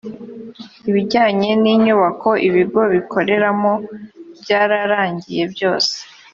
ibijyanye n ‘inyubako ibigo bikoreramo byararangiye byose.